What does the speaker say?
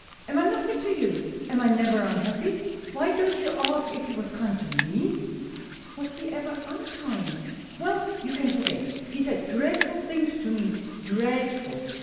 Am I nothing to you? Am I never unhappy? Why don't you ask if he was kind to me?" "Was he ever unkind?" "Well, you can forget! He said dreadful things to me dreadful.